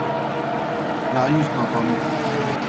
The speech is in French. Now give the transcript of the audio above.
Marius n’entendit pas.